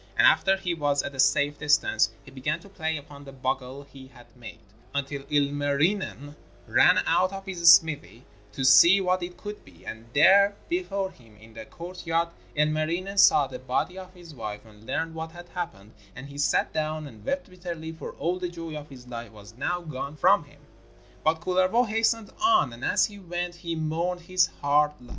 And after he was at a safe distance he began to play upon the bugle he had made, until Ilmarinen ran out of his smithy to see who it could be, and there before him in the courtyard Ilmarinen saw the body of his wife and learned what had happened: and he sat down and wept bitterly, for all the joy of his life was now gone from him. But Kullervo hastened on, and as he went he mourned his hard lot.